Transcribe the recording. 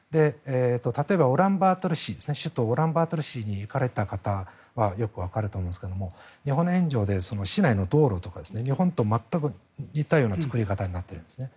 例えば首都のウランバートルに行かれた方はよくわかると思いますが日本の援助で市内の道路とか日本と全く似たような作り方になっているんです。